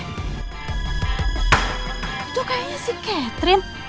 itu kayaknya si catherine